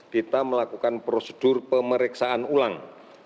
kita melakukan prosedur pemeriksaan ulang